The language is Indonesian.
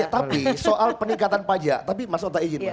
tapi soal peningkatan pajak tapi mas otak izin